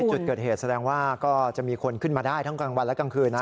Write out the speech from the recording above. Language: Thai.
จุดเกิดเหตุแสดงว่าก็จะมีคนขึ้นมาได้ทั้งกลางวันและกลางคืนนะ